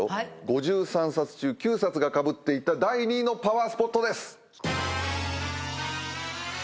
５３冊中９冊がかぶっていた第２位のパワースポットです。